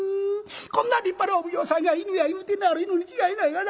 こんな立派なお奉行さんが犬や言うてんねやから犬に違いないがな。